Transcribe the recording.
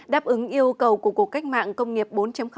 đáp ứng yêu cầu của cuộc cách mạng công nghiệp bốn